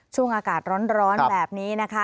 ช่วงอากาศร้อนแบบนี้นะคะ